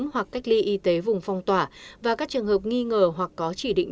hoặc cách ly y tế vùng phong tỏa và các trường hợp nghi ngờ hoặc có chỉ định